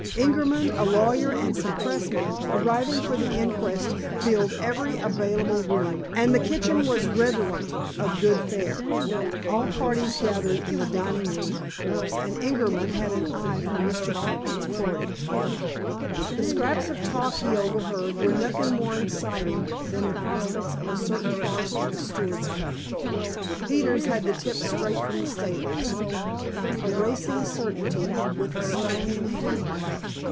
Ingerman, a lawyer, and some pressmen, arriving for the inquest, filled every available room, and the kitchen was redolent of good fare. All parties gathered in the dining room, of course, and Ingerman had an eye for Mr. Franklin's party. The scraps of talk he overheard were nothing more exciting than the prospects of a certain horse for the Stewards' Cup. Peters had the tip straight from the stables. A racing certainty, with a stone in hand.